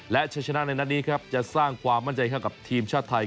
และชัยชนะในนัดนี้ครับจะสร้างความมั่นใจให้กับทีมชาติไทย